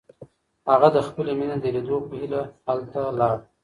هغه د خپلې مینې د لیدو په هیله هلته لاړ.